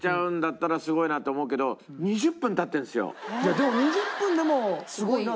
でも２０分でもすごいなと思う。